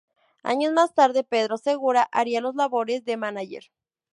Años más tarde, Pedro Segura haría las labores de manager.